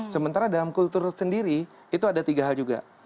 sementara dalam kultur sendiri itu ada tiga hal juga